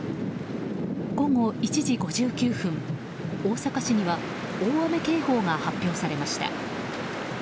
午後１時５９分、大阪市には大雨警報が発表されました。